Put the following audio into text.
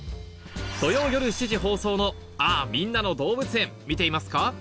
土曜夜７時放送の『嗚呼‼みんなの動物園』見ていますか？